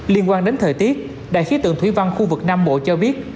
liên quan đến thời tiết đài khí tượng thủy văn khu vực nam bộ cho biết